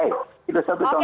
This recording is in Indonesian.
itu satu contoh